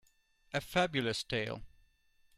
A Fabulous tale.